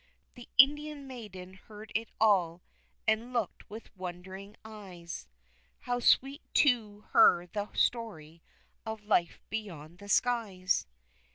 The Indian maiden heard it all, and looked with wondering eyes, How sweet to her the story of the life beyond the skies!